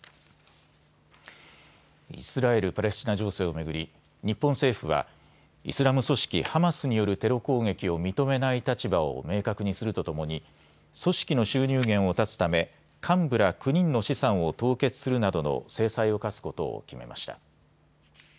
イスラエル・パレスチナ情勢を巡り日本政府はイスラム組織ハマスによるテロ攻撃を認めない立場を明確にするとともに組織の収入源を絶つため幹部ら９人の資産を凍結するなどの制裁を科すことを決めました。